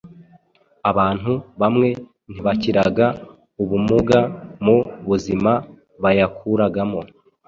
abantu bamwe ntibakiraga ubumuga mu buzima bayakuragamo.